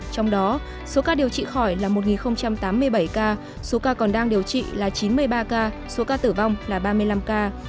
trong đó số ca điều trị khỏi là một tám mươi bảy ca số ca còn đang điều trị là chín mươi ba ca số ca tử vong là ba mươi năm ca